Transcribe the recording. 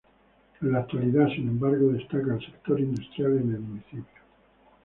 En la actualidad, sin embargo, destaca el sector industrial en el municipio.